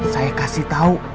saya kasih tahu